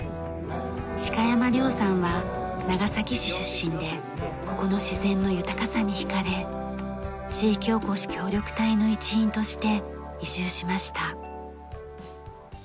鹿山凌さんは長崎市出身でここの自然の豊かさに引かれ地域おこし協力隊の一員として移住しました。